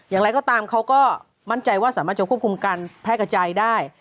อย่างไรก็ตามเขาก็มั่นใจว่าสามารถควบคุมกันแพทย์กับใจได้